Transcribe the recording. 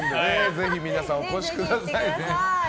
ぜひ皆さん、お越しくださいね。